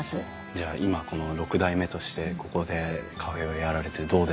じゃあ今この６代目としてここでカフェをやられてどうですか？